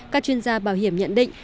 các chuyên gia bảo hiểm nhận định